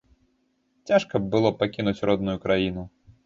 Цяжка было б пакінуць родную краіну.